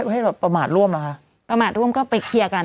ให้ระบบประมาแตร่งออกมาแล้วค่ะประมาทเรื่องก็ไปแคลียร์กัน